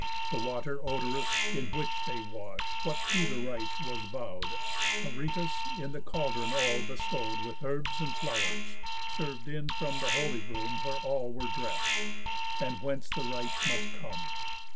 The water odorous, In which they wash'd, what to the rites was vow'd, Aretus, in a caldron all bestrow'd With herbs and flowers, serv'd in from th' holy room Where all were drest, and whence the rites must come.